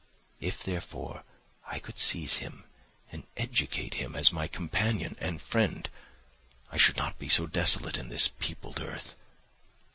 If, therefore, I could seize him and educate him as my companion and friend, I should not be so desolate in this peopled earth.